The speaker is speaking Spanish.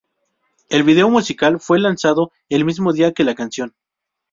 El vídeo musical fue lanzado el mismo día que la canción.